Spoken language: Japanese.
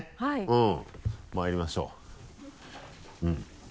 うんまいりましょう。